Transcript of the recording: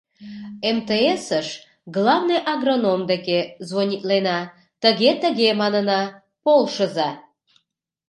МТС-ыш, главный агроном деке, звонитлена, тыге-тыге, манына, полшыза.